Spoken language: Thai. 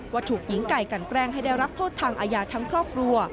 ว่าถูกหญิงไก่กันแกล้งให้ได้รับโทษทางอาญาทั้งครอบครัว